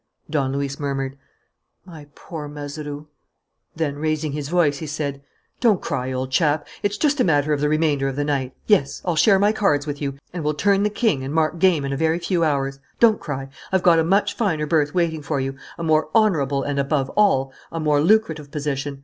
Don Luis murmured: "My poor Mazeroux!" Then, raising his voice, he said: "Don't cry, old chap. It's just a matter of the remainder of the night. Yes, I'll share my cards with you and we'll turn the king and mark game in a very few hours. Don't cry. I've got a much finer berth waiting for you, a more honourable and above all a more lucrative position.